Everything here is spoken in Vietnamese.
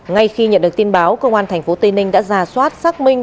ngay khi nhận được tin báo công an tp tây ninh đã ra soát xác minh